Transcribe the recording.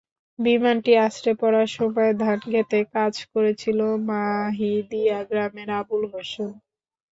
বিমানটি আছড়ে পড়ার সময় ধানখেতে কাজ করছিলেন মাহিদিয়া গ্রামের আবুল হোসেন।